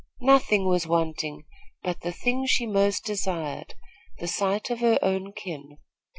Nothing was wanting but the thing she most desired the sight of her own kin.